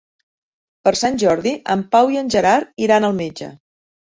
Per Sant Jordi en Pau i en Gerard iran al metge.